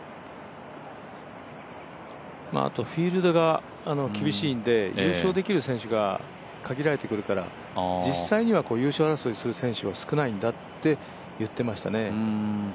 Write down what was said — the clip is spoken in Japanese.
フィールドが厳しいんで、優勝できる選手が限られてくるから実際には優勝争いする選手は少ないんだって言ってましたね。